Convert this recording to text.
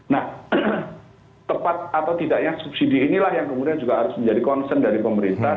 nah tepat atau tidaknya subsidi inilah yang kemudian juga harus menjadi concern dari pemerintah